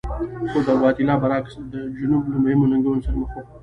خو د ګواتیلا برعکس جنوب له مهمو ننګونو سره مخ و.